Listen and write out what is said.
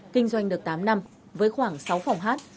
kinh doanh được tám năm với khoảng sáu phòng hát